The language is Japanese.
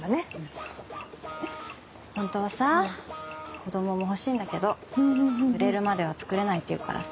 そうホントはさ子供も欲しいんだけど売れるまではつくれないって言うからさ。